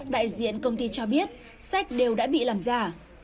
đại diện công ty cho biết sách đều đã bị làm giả